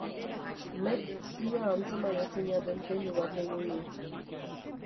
MEK ia atzemanezina den keinu bat egin du.